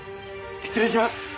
失礼します！